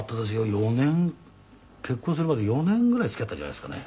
４年結婚するまで４年ぐらい付き合ったんじゃないですかね。